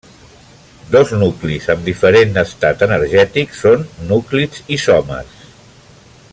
Dos núclids amb diferent estat energètic són núclids isòmers.